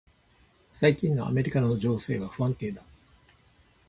最近のアメリカの情勢は不安定だ。